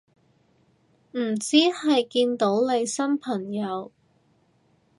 點知係見到你新朋友